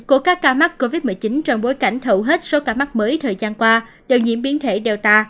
của các ca mắc covid một mươi chín trong bối cảnh hầu hết số ca mắc mới thời gian qua đều nhiễm biến thể data